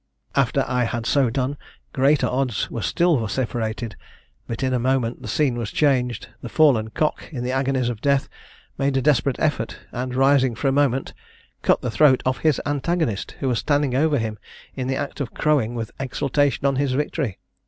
After I had so done, greater odds were still vociferated; but in a moment the scene was changed! the fallen cock, in the agonies of death, made a desperate effort, and, rising for a moment, cut the throat of his antagonist, who was standing over him, in the act of crowing with exultation on his victory!